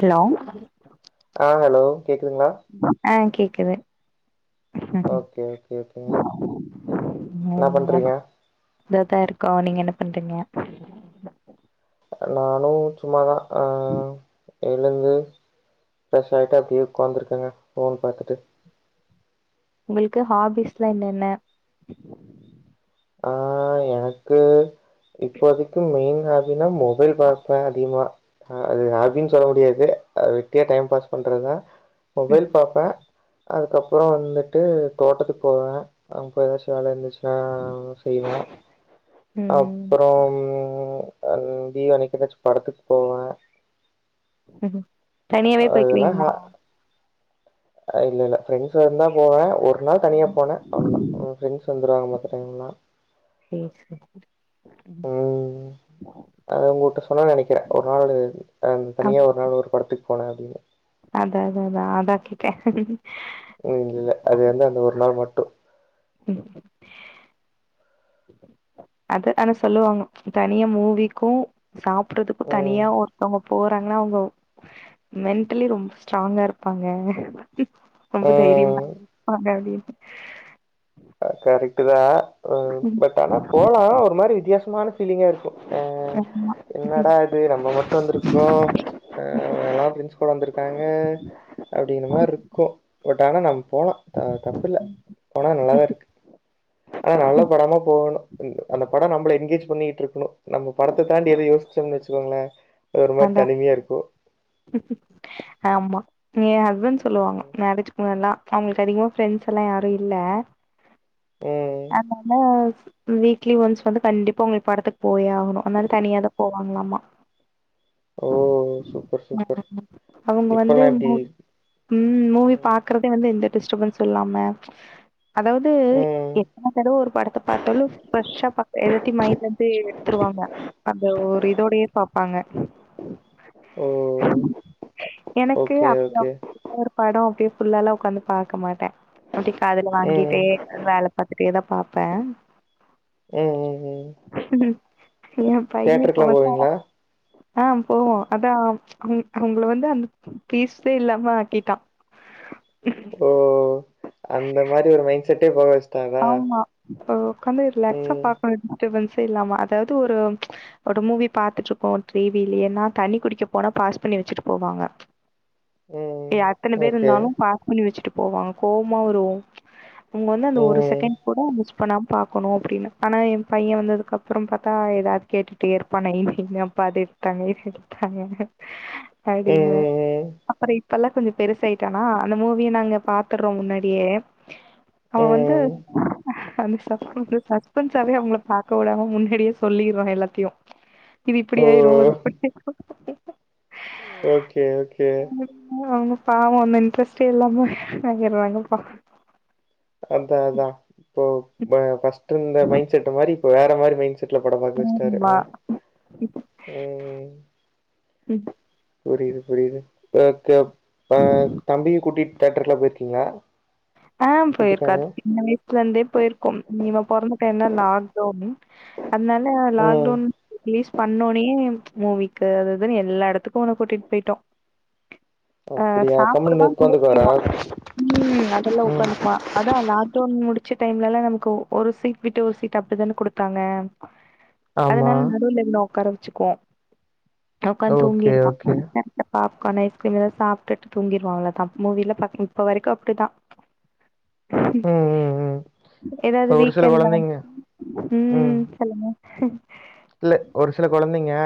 Hello ஆ hello கேக்குதுங்ளா ஆ கேக்குது ஓகே ஓகே ஓகே என்னா பண்றீங்க இதா தா இருக்கோ நீங்க என்ன பண்றீங்க நானு சும்மாதா ஆ எழுந்து ப்ரெஷ் ஆகிட்டு அப்டியே உக்காந்துருக்கங்க ஃபோன் பாத்துட்டு உங்களுக்கு ஹாபிஸ்லா என்னென்ன ஆ எனக்கு இப்போதைக்கு மெயின் அப்டின்னா மொபைல் பாப்ப அதிமா ஹ அது ஹாபின் சொல்ல முடியாது அ வெட்டியா டைம் பாஸ் பண்றதுதா ம் மொபைல் பாப்ப அதுக்கப்ற வந்துட்டு தோட்டத்துக்கு போவ அப்ப எதாச்சு வேல இருந்துச்சுனா எதாவது செய்வ ம் அப்றம் அ லீவ் அனிக்கு எதாச்சு படத்துக் போவே தனியாவே அதெல்லா போய்க்குவீங்ளா ஹ இல்ல இல்ல ப்ரெண்ஸ் இருந்தா போவே ஒரு ஒரு நாள் தனியா போனே அவ்ளோதா ப்ரெண்ஸ் வந்துருவாங்க மத்த டைம்லா சேரி சேரி ம் அ உங்ககிட்ட சொன்னே நனைக்கிறே ஒரு நாளு அ அம் தனியா ஒரு நாள் ஒரு படத்துக்கு போனே அப்டின் அதா அதா அதா அதா கேட்ட ம் இல்ல அது வந்து அந்த ஒரு நாள் மட்டு ம் அது ஆனா சொல்லுவாங்க தனியா மூவிக்கு சாப்பறதுக்கு ம் தனியா ஒருத்தோங்க போறாங்கன்னா அவுங்க மென்டலி ரொம்ப ஸ்டாங்கா இருப்பாங்க ரொம்ப ம் தைரியமான [unintelligible] கரெக்ட்டுதா பட் ஆனா போலா ஒருமாரி வித்தியாசமான ஃபீலிங்கா இருக்கு ஆ ஆமா என்னடா இது நம்ம மட்டு வந்திருக்றோ ஆ எல்லாதுகு குழந்திருக்காங்க அப்பிடினு மாரி இருக்கு பட் ஆனா நம் போலா த தப்பில்ல போனா நல்லாதா இருக்கு அ நல்ல படமா போகணு அந்த படோ நம்பள என்கேஜ் பண்ணிட்ருக்கணு நம்ம படத்த தாண்டி எது யோசிச்சோன் வெச்சுக்கோங்ளே ஒருமாரி அதா தனிமையா இருக்கு ஆமா எ ஹஸ்பண்ட் சொல்லுவாங்க ம் மேரேஜ் முன்னெல்லா அவுங்களுக்கு அதிகமா பிரெண்ட்ஸ் எல்லா யாரு இல்ல ம். அதனால வீக்லி ஒன்ஸ் வந்து கண்டிப்பா அவுங்களுக் படத்துக் போயே ஆகணு அதனால தனியாதா போவாங்ளாமா [inaudible] ஓ ஓ [inaudible] அவுங்க வந்து மு ம் மூவி ம் பாக்குற வந்து எந்த டிஸ்டபென்ஸ்சு இல்லாம அதாது ம் எத்தன தடவ ஒரு படத்த பாத்தாலு ஃபிரஷ்ஷா‌‌ பாக் எல்லாத்தியு மைண்ட்ல இருந்து எடுத்துருவாங்க அந்த ஒரு இதோடையே பாப்பாங்க ஓ எனக்கு ஓகே அப் ஓகே. அப் ஒரு படோ அப்டியே ஃபுல்லாலா ஒக்காந்து பாக்க மாட்டே அப்டியே காதுல ம். வாங்கிட்டே வேல பாத்துட்டேதா பாப்பே ம் ம் ம் எ பைய இப்ப தியேட்டருக்குலா வந்தா போவீங்களா? அ போவோ அதா உங் உங்கள வந்து அந்த ஃபீஸ்டே இல்லாம ஆக்கிட்டா ஓ அந்த மாரி ஒரு மைண்ட் செட்டே போக வெச்சு ஆமா இப்போ உக்காந்து ரிலாக்ஸா ம். பாக்கணு டிஸ்ட்டபன்ஸே இல்லாமா அதாவ்து ஒரு ஒரு மூவி பாத்துட்ருக்கோ டீ வீலயேனா தண்ணி குடிக்க போன பாஸ் பண்ணி வெச்சுட்டு போவாங்க ம். எத்தன பேரு ஓகே. இருந்தாலு பாஸ் பண்ணி வெச்சுட்டு போவாங்க கோவமா வரு அவுங்க வந்து அந்த ஒரு‌ ‌சீ ம். கூட மிஸ் பண்ணாம பாக்கணு அப்டினு ஆனா எ பைய வந்துக்கப்புறோ பாத்தா எதாவ்து கேட்டுட் டே இருப்பா நை நைனு‌ அப்பா அது எடுத்‌ தாங்க இது எடுத் தாங்க ம் அப்டின்னு ம் ம். அப்புறோ இப்பல்லா கொஞ்சோ பெருசாயிட்டான அந்த மூவிய நாங்க பாத்துறோ முன்னாடியே அவ வந்து ம். அந்த சஸ்பென்ஸ் சஸ்பென்ஸாவே அவுங்கள பாக்கவுடாம முன்னாடியே சொல்லிரா எல்லாத்தியு இது இப்படி ஓ! ஆயிரு அது‌ அப்டி [unintelligible] ஓகே ஓகே ம் அவங்க பாவ அந்த இன்ட்ரெஸ்டே இல்லாம‌ ஆயிராங்கப்பா அந்த அதா இப்போ ப ஃபஸ்ட் இருந்த மைண்ட செட் மாரி இப்ப வேற மாரி மைண்ட செ வீட்ல பட பாக்க வச்சிட்டாரு ஆமா அ ம் ம் புரியுது புரியுது அ த தம்பிய கூட்டிட்டு தேட்டர்க்கெல்லா போயிருக்கீங்களா ஆ குட்டி போயிருக்க பையன. அது சின்ன வயசுல இருந்தே போயிருக்கோம் இவ பிறந்த டைம்ல லாக்டவுனு அதனால ம். லாக்டௌன் ரிலீஸ் பண்ணனோனயே மூவிக்கு அது இதுன்னு எல்லா எடத்துக்கு அவன கூட்டிட்டு போயிட்டோ அ அப்டியா கம்முன்னு சாப்புடுவா உக்காந்துக்குவாரா தூங்கிருவா ம் அதெல்லா ஒ ம் அ அதா லாக்டௌன் முடிச்ச டைம்ல எல்லா நமக்கு ஒரு சீட் விட்டு ஒரு சீட் அப்படிதான குடுத்தாங்க ஆமா அதனால நடுவுல இவன ஒக்கார வச்சுக்குவோ ஒக்காந்து ஓகே தூங்கிருவா ஓகே த பாப்கான் ஐஸ்கிரீமு சாப்பிட்டுட்டு தூங்கிருவா‌ அவ்ளோ தா மூவில பாக்க இப்ப வரைக்கு அப்படிதா ம் ம் ம் ஏதாவது ஒரு சில வீக்கெண்ட் தா கொழந்தைங்க ம் சொல்லுங்க ம் இல்ல ஒரு சில கொழந்தைங்க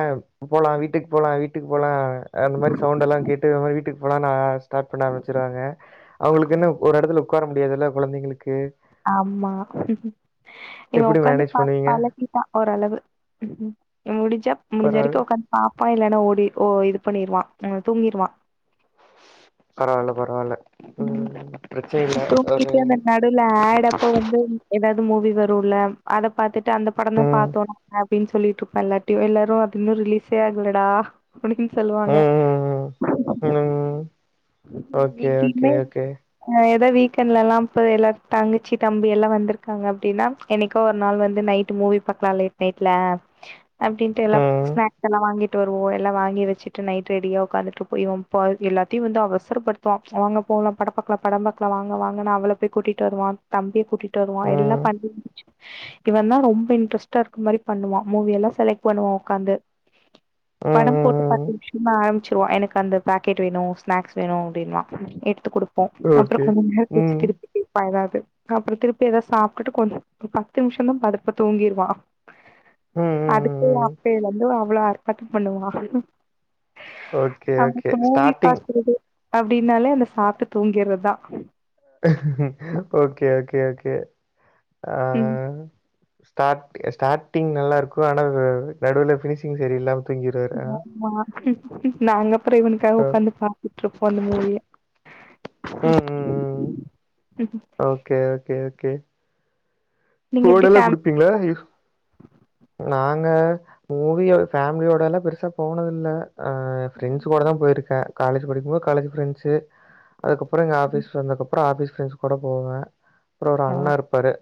போலா வீட்டுக்கு போலா வீட்டுக்கு போலா அந்த மாதிரி சவுண்ட் எல்லா கேட் டு நம்ம வீட்டுக்கு போலானு அ ஸ்டாட் பண்ண ஆரம்பிச்சிருவங்க அவங்களுக்ககென்ன ஒரு இடத்துல உக்கார முடியாதுல்ல கொழந்தைங்களுக்கு ஆமா இவ எப்டி உக்காந்து மேனேஜ் பாப்பா பண்ணுவீங்க எல்லாத்தயு பா ஓரளவு முடிஞ்சா முடிஞ்ச பரவால் வரைக்கு உக்காந் பாப்பா இல்லன்னா ஓடி ஓ இது பண்ணிருவா ‌ ம் தூங்கிருவா பரவால்ல பரவால்ல ம் பிரச்சனை இல்ல ஒரு தூங்கிட்டு அந்த நடுவுல ஆட் அப்ப வந்து எதாவது மூவி வரு ல அத பாத்துட்டு அந்த படந்தான் ம் பாத்தோம் நாங்க பா அப்படினு சொல்லிட்டு இருப்பா எல்லார்ட்டயு எல்லாரு அது இன்னு ரிலீஸே ஆகலடா ஒனக்கு சொல்லுவாங்க ம் ம் ம் [unintelligible] ம் ஓகே ஓகே இங்கியுமே ஓகே ஏதா வீக்கெண்ட்ல லாம் போய் எல்லா தாங்குச்சி தம்பி எல்லா வந்திருக்காங்க அப்படின்னா என்னைக்கோ ஒரு நாள் வந்து நைட் மூவி பாக்கலா லேட் நைட்ல அப்படின்ட்டு எல்லா ம் ஸ்நாக்ஸ் எல்லா வாங்கி டு வருவோ எல்லா வாங்கி வச்சிட்டு நைட் ரெடியா உட்காந்துட்டு இருப்போ இவ போய் எல்லாத்தையு வந்து அவசரப்படு துவா வாங்க போகலா பட பாக்கலா படம் பாக்கலா வாங்க வாங்க அவள பேய் கூட்டி டு வருவா தம்பியை கூட்டிட்டு வருவா எல்லா ம் பண்ணி முடிச்சு இவ தா ரொம்ப இன்ட்ரெஸ்ட்டா இருக்க மாரி பண்ணுவா மூவி எல்லா செலக்ட் பண்ணுவா உக்காந்து ம் ம் படம் போட்டு பத்து ம் நிமிஷந்தா ஆரம்பிச்சிருவா எனக்கு அந்த பாக்கெட் வேணு ஸ்நாக்ஸ் வேணு அப்படின்னுவா எடுத்து குடுப்போ ஓகே அப்புறகொஞ்ச ம் டேஸ்ட்டுக்கு எடுத்துட்டு படாது அப்புற திருப்பி எதா சாப்பிட்டுட்டு கொஞ்ச ஒரு பத்து நிமிஷ தா படுத்து தூங்கிருவா ம் ம் ம் அதுக்கு ம் அப்பிலந்து அவ்ளோ ஆர்ப்பாட்டம் பண்ணுவா ஓகே ஓகே அவனுக்கு மூவி ஸ்டார்ட்டிங் பாக்குறது அப்படின்னாலே அந்த சாப்ட்டு தூங்கிறதா ஓகே ஓகே ஓகே அ ம் அ ஸ்டாட்டு ஸ்டாட்டிங் நல்லா இருக்கு ஆனா நடுல ஃபினிஷிங் சரியில்லாம தூங்கிருவாரு ஆ ஆமா நாங்க அப்புற இவனுக்காக அ. ஒகாந்து பா துட்டுருப்போ அந்த மூவிய ம் ம் ம் ஓகே ஓகே ஓகே நீங்க எப்டி ஃபோனேல்லா ஃபேமிலி குடுப்பீங்களா ஓ எப் நாங்க மூவியோ ஃபேமிலியோடல்லா பெருசா போனது இல்ல ஆ ஃப்ரெண்ட்ஸ் கூட தான் போய்ருக்கேன் காலேஜ் படிக்கும்போது காலேஜ் ஃப்ரெண்ட்ஸ்சு அதுக்கப்றோ இங்க ஆஃபீஸ் வந்தக்கப்றோ ஆஃபீஸ் ஃப்ரெண்ட்ஸ் கூட போவே அப்றோ ஒரு அண்ண இருப்பாரு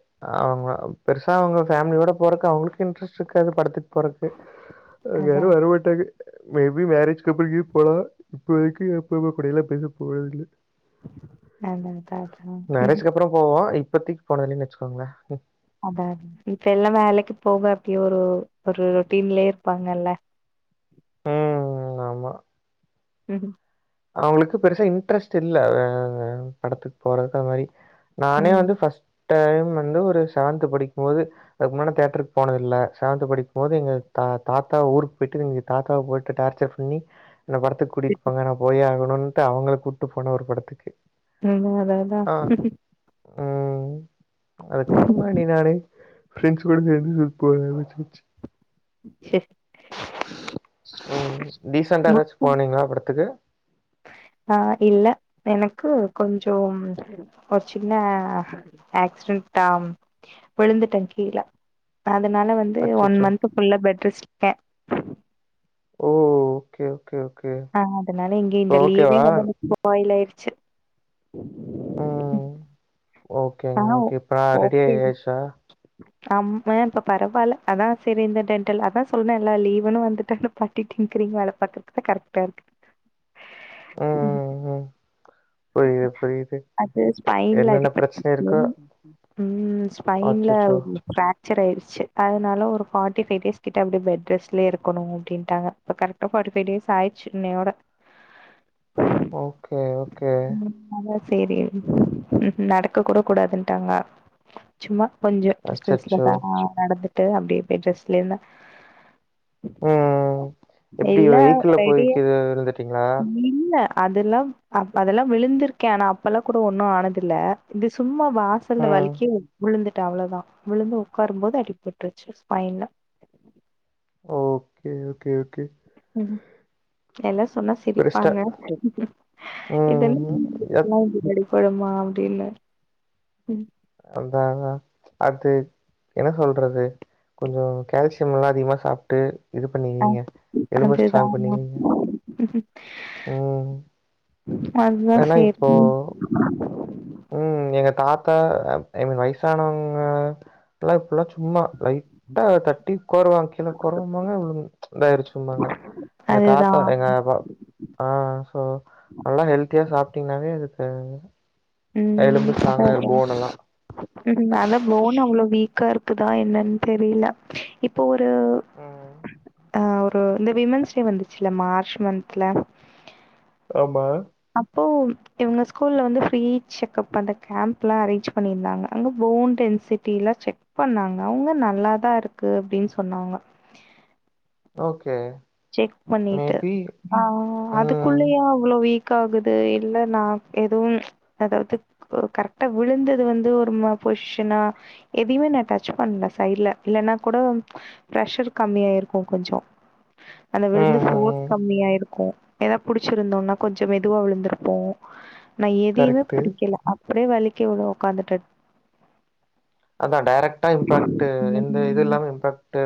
அவுங்க பெருசா அவுங்க ஃபேமிலியோட போறக்கு அவுங்களுக்கு இன்ட்ரெஸ்ட் இருக்காது படத்துக்கு போறக்கு அவுங்க அதா யாரு வரமாட்டாங்க மேபி மேரேஜ்கப்றோ எங்கயு போலா இப்பக்கி அப்பா அம்மா கூடெல்லா பேச போறது இல்ல அடடடா மேரேஜ்க்கு அப்புறோ போவோ இப்பத்திக் போனதிலன்வச்சிக்கோங்கள அத இப்ப எல்லா வேலைக்கு போக அப்டியே ஒரு ஒரு டீம்லயே இருப்பாங்கல்ல ம் ஆமா ம் அவுங்களுக் பெருசா இன்ட்ரெஸ்ட்டு இல்ல படத்துக்கு போற அந்த மாரி நானே ம் வந்து ஃபஸ்ட் டைம் வந்து ஒரு சவன்த் படிக்கும்போது அதுக்கு முன்னல்லா தேட்டருக்கு போனது இல்ல செவன்த படிக்கும் போது எங்க தா தாத்தா ஊருக்கு போயிட்டு தாத்தாவ போட்டு டார்ச்சர் பண்ணி அந்த படத்துக்கு கூட்டிட்டு போாங்க நா போயே ஆகணுன்ட்டு அவுங்கள கூட்டு போன ஒரு படத்துக்கு அதா அதா அதா ஆ ம் அதுக்கப்பறமா நீ நானே ஃப்ரெண்ட்ஸ் கூட சேந்து போக ஆரமிசாச்சு சரி ம் டீசெண்ட்டா ஏதாச்சு புக் போனிங்களா படத்துக்கு ஆ இல்ல எனக்கு கொஞ்சோம் ஒரு சின்ன ஆக்சிடெண்டாம் விழுந்துட்ட கீழ அதனால வந்து ஒன் அச்சச்சோ! மந்த்து ஃபுல்லா பெட் ரெஸ்ட் க்க ஓ ஓகே ஓகே ஆ அதுனால எங்க இப்ப இந்த லீவே ஓகேவா? ரொம்ப [unintelligible] ஸ்பாயில் ஆயிட்ச்சு ம் ஆ ஓகேங்க ஓகே இப்பலா ரெடி ஆயாயாச்சா அம் அ இப்ப பரவால்ல அதா செரி இந்த டென்டல் அதா சொன்னேன்ல லீவுன்னு வந்துட்டா இந்த பல் வீட்டின் க்ரீன் வேல பாக்குறத்துக்கே கரெக்ட்டா இருக்கு ம் ம் புரியுது, புரியுது. அது ஸ்பைன்ல என்னென்ன பிரச்சனை இருக்கோ அடிப்பட்டுலருந்து ம் ஸ்பைன்ல அச்சச்சோ! பிராக்சர் ஆய்ருச்சு அதுனால ஒரு ஃபாட்டி பைவ் டேஸ் கிட்ட அப்டி பெட் ரெஸ்ட்லே இருக்கணு அப்டின்டாங்க ப்ப கரெட்டா ஃபாட்டி பைவ் டேஸ் ஆய்ர்ச்சு இன்னையோட ஓகே ஓ ம் அதான் செரி ம் நடக்ககுட கூடாதுன்டாங்க சும்மா கொஞ்சோ அச்சச்சோ! டிஸ்டன்ஸ்லதா நடந்துட்டு அப்டியே பெட்ரெஸ்ட்ல இர்ந்த ம் ம் எப்டி வெஹிக்கில்ல போயி ரெடியா கீழ விழுந்துட்டீங்ளா இல்ல அதுல்லாம் அ அதெல்லா விழுந்திருக்கே ஆனா அப்பெல்லா கூட ஒன்னு ஆனதில்ல இது சும்மா வாசல்ல ம். வலிக்கி உழுந்துட்டே அவ்ளேதா விழுந்து உக்காரும்போது அடிப்பட்டுருச்சு ஸ்பைன்ல ஓகே ஓகே ஓகே ம் எல்லா சொன்னா பெருஸ்டா சிரிப்பாங்க இதெல்லா ம். எப் [unintelligible] [unintelligible] ளமா அப்டின்னு ம் அதான் அது என்ன சொல்றது கொஞ்ச கால்சியம்லாம் அதிகமா சாப்ட்டு ஆ அதே தான் ஆமா பண்ணிருவீங்க. ம் ஒன் மந்த் ஏன்னா இப்போ சேத்து ம் எங்க தாத்தா ஐ ஐ மீன் வயசானவங்க எல்லாம் இப்பலா இப்பலாம் சும்மா லைட் லைட்டா தட்டி கொர்வாங் கீழ கொர்வாம்பாங்க இதாயிருச்சும்பாங்க எங்க தாத்தா அதுதான். எங்க அப்பா ஆ சோ நல்லா ஹெல்த்தியா சாப்ட்டீங்கன்னாவே அதுக்கு எலும்பு ம் அப்ப ஸ்ட்ராங்கா ஓகேமா போன் எல்லாம். ம் வேல போன் அவ்ளோ வீக்கா இருக்குதா என்னன்னு தெரில இப்போ ஒரு ம். ஆ ஒரு இந்த விமன்ஸ் டே வந்துச்சுல மார்ச் மந்த்ல ஆமா அப்போ இவுங்க ஸ்கூல்ல வந்து ஃப்ரீ செக்ப் அந்த கேம்ப்லாம் அரேஞ்ச் பண்ணியிருந்தாங்க அங்க போண்டு எஞ் சிட்டில செக் பண்ணாங்க அவுங்க நல்லாதான் இருக்கு அப்டின்னு சொன்னாங்க ஓகே செக் பண்ணிட்டு மேபி ஆ ம். அதுக்குள்ளையா அவ்ளோ வீக் ஆகுது இல்ல நா எதுவும் அதாவ்து உ கரெக்டா வுழுந்தது வந்து ஒரு மா பொஸ்ஷனா எதையுமே நான் டச் பண்ணல சைடுல இல்லனா கூட பிர்ரெஷர் கம்மியாருக்கும் கொஞ்ச அந்த விழுந்து ம், ம், ஃபோட் ம். கம்மியாகிருக்கு எதனா புடிச்சிருந்தோம்னா கொஞ்ச மெதுவா விழுந்திருப்போம் நா எதையிமே கரெக்ட்டு. புடிக்கல அப்டியே வலிக்கி வுழும் உக்காந்துட்டே அதா டரெக்ட்டா இம்பாக்ட் எந்த இது இல்லாம இம்பாக்ட்டு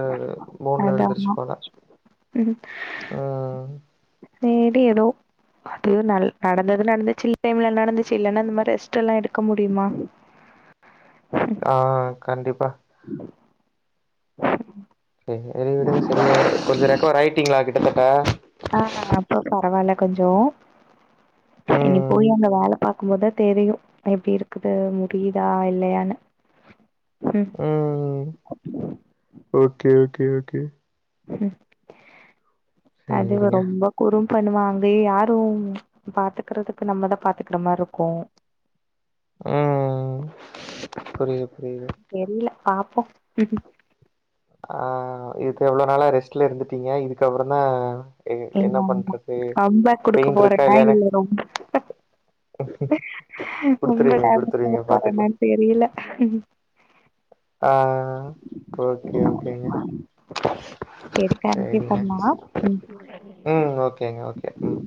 போன்ல அதான். விழுந்துருச்சு போல ம் ம். செரி எதோ அது நல் நடந்தது நடந்துச்சி [unintelligible] நடந்துச்சி இல்லனா இந்த மாரி ரெஸ்ட் எல்லாம் எடுக்க முடியுமா ஆ கண்டிப்பா [inaudible] செரி விடுங்க சரியாயிரும் கொஞ்ச ரெக்கவர் ஆயிட்டிங்களா கிட்டத்தட்ட ஆ அப்ப பரவால்ல கொஞ்ச இனி ம் போயி அங்க வேல பாக் கு போதா தெரியு எப்டி இருக்குது முடியுதா இல்லையானு ம் ம் ஓகே ஓகே ஓகே ம் அது சேரிங்க ரொம்ப குறும் பண்ணுவா அங்கயு யாரு பாத்துக்குறதுக்கு நம்மதா பாத்துக்குற மார்ருக்கு ம் புரியுது புரியுது [inaudible] தெரில பாப்போ ஆ இது எவ்ள நாளா ரெஸ்ட்ல இருந்துட்டீங்க இதுக்கப்றோ தா ஏ என்ன நாம்மா பண்றது கம்பக் குடுக்க பெயின் இருக்கா போறேனா இல்லையானு இல்ல ரொம் ரொம்ப குடுத்துருவீங்க டேமேஜ் பண்ண குடுத்துருவீங்க பாத்துக்கலா போறேனான் தெரில ஆ ஓகே ஓகேங்க சேரி கண்டினியூ சரிங்க பண்லா ம் ம் ஓகேங்க ஓகே ம்